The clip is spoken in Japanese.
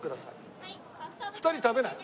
２人食べない？